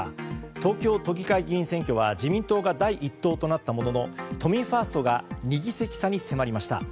東京都議会議員選挙は自民党が第一党となったものの都民ファーストが２議席差に迫りました。